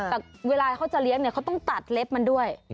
แต่เวลาเขาจะเลี้ยงเนี่ยเขาต้องตัดเล็บมันด้วย